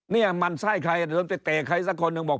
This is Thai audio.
นี่มันไส้ใครเดินไปเตะใครสักคนหนึ่งบอก